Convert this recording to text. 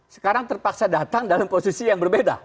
sekarang terpaksa datang dalam posisi yang berbeda